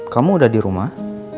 kamu udah dirumah